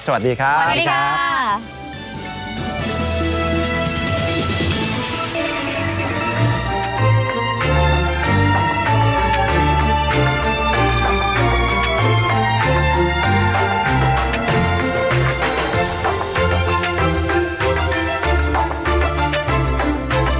สวัสดีครับ